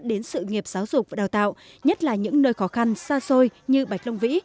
đến sự nghiệp giáo dục và đào tạo nhất là những nơi khó khăn xa xôi như bạch long vĩ